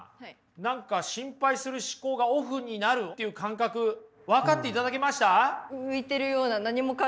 何か心配する思考がオフになるっていう感覚分かっていただけました？